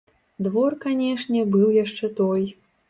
Двор, канешне, быў яшчэ той!